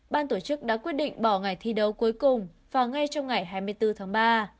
ban tổ chức đã quyết định bỏ ngày thi đấu cuối cùng vào ngay trong ngày hai mươi bốn tháng ba